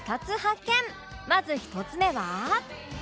まず１つ目は